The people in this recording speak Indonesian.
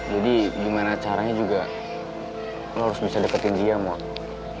jadi gimana caranya juga lo harus bisa deketin dia mon